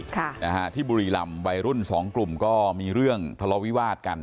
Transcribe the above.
ค่ะนะฮะที่บุรีรำวัยรุ่นสองกลุ่มก็มีเรื่องทะเลาวิวาสกัน